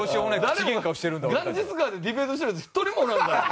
誰もガンジス川でディベートしてるヤツ１人もおらんからな。